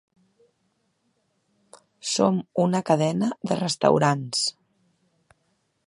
Som una cadena de restaurants.